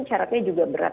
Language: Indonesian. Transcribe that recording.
syaratnya juga berat